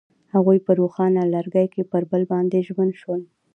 هغوی په روښانه لرګی کې پر بل باندې ژمن شول.